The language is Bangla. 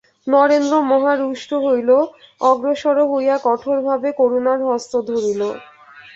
নরেন্দ্র মহা রুষ্ট হইল, অগ্রসর হইয়া কঠোর ভাবে করুণার হস্ত ধরিল।